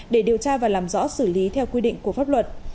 để điều tra và làm rõ xử lý theo quy định của pháp luật